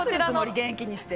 元気にして。